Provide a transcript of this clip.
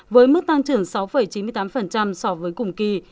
với mức tăng trưởng sáu chín mươi tám so với cùng kỳ